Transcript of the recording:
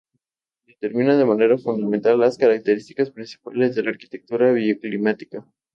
Determina de manera fundamental, las características principales de la arquitectura bioclimática.